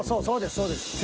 そうですそうです。